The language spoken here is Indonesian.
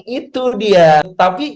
itu dia tapi